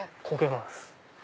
こげます。